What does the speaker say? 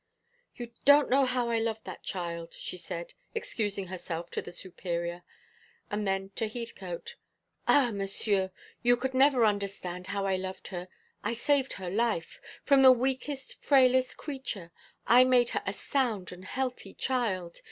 "You don't know how I loved that child," she said, excusing herself to the Superior; and then to Heathcote, "Ah, Monsieur, you could never understand how I loved her. I saved her life. From the weakest frailest creature, I made her a sound and healthy child.